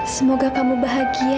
semoga kamu bahagia